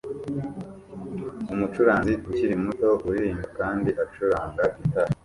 Umucuranzi ukiri muto uririmba kandi acuranga gitari